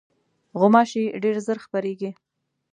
غوماشې ډېر ژر خپرېږي.